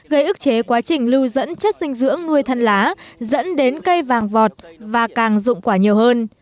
gây ức chế quá trình lưu dẫn chất dinh dưỡng nuôi thân lá dẫn đến cây vàng vọt và càng dụng quả nhiều hơn